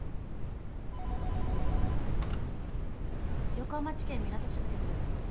横浜地検みなと支部です。